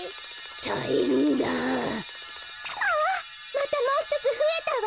またもうひとつふえたわ。